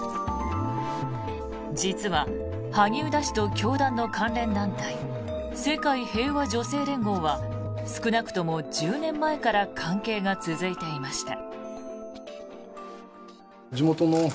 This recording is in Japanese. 実は、萩生田氏と教団の関連団体世界平和女性連合は少なくとも１０年前から関係が続いていました。